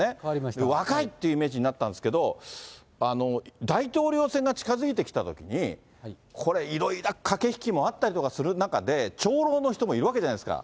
若いっていうイメージになったんですけれども、大統領選が近づいてきたときに、これ、いろいろ駆け引きもあったりする中で、長老の人もいるわけじゃないですか。